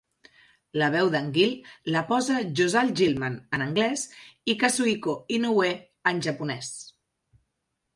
La veu d'Angeal la posa Josal Gilman en anglès, i Kazuhiko Inoue en japonès.